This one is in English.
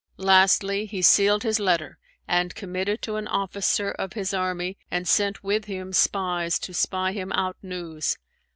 Lastly he sealed his letter and committed to an officer of his army and sent with him spies to spy him out news.